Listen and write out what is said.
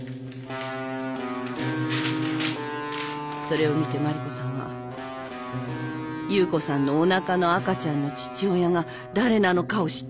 それを見て麻里子さんは夕子さんのおなかの赤ちゃんの父親が誰なのかを知った。